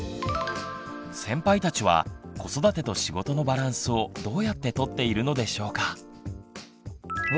先輩たちは子育てと仕事のバランスをどうやって取っているのでしょうか？